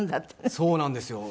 そうなんですよ。